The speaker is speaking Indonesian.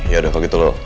ya udah kalau gitu lo